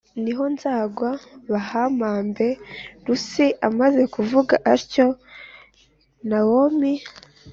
ni ho nzagwa bahampambe Rusi amaze kuvuga atyo Nawomi